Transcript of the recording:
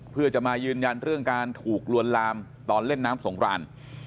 เพื่อจะมายืนยันเรื่องการถูกลวนลามตอนเล่นน้ำสงคราน